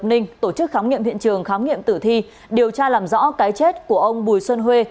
tại huyện lộc ninh tổ chức khám nghiệm hiện trường khám nghiệm tử thi điều tra làm rõ cái chết của ông bùi xuân huê